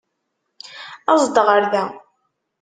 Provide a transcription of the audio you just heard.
Aẓ-d ɣer da!